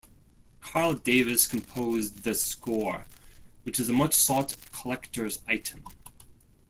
Carl Davis composed the score, which is a much-sought collector's item.